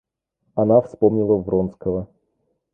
Она вспомнила Вронского.